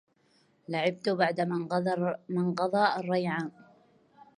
لعبت بعد ما انقضى الريعان